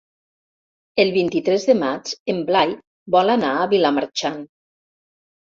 El vint-i-tres de maig en Blai vol anar a Vilamarxant.